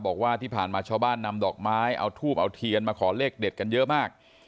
บอกว่าที่ผ่านมาชาวบ้านนำดอกไม้เอาทูบเอาเทียนมาขอเลขเด็ดกันเยอะมาก